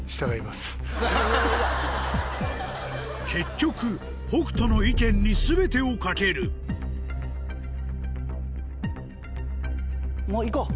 結局北斗の意見に全てを懸けるもう行こう！